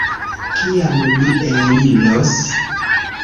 Kiam ni eliros?